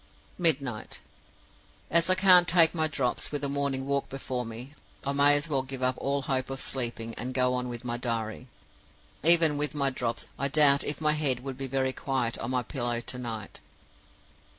"Midnight. As I can't take my drops, with a morning walk before me, I may as well give up all hope of sleeping, and go on with my diary. Even with my drops, I doubt if my head would be very quiet on my pillow to night.